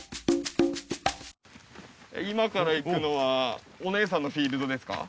今から行くのはおねえさんのフィールドですか？